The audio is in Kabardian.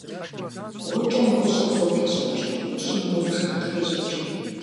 Гъукӏэм гъущӏыр зэпещӏыкӏ, гъущӏым гъубжэ къыхещӏыкӏ.